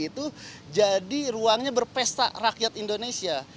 itu jadi ruangnya berpesta rakyat indonesia